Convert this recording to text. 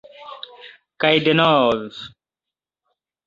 Kaj denove.